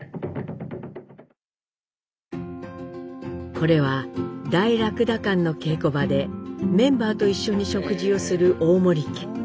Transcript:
これは大駱駝艦の稽古場でメンバーと一緒に食事をする大森家。